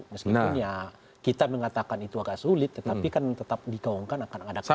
meskipun ya kita mengatakan itu agak sulit tetapi kan tetap dikawangkan akan ada kesalahan